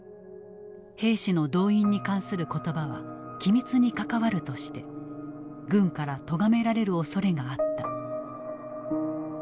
兵士の動員に関する言葉は機密に関わるとして軍からとがめられるおそれがあった。